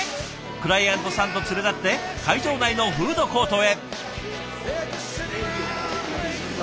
クライアントさんと連れ立って会場内のフードコートへ。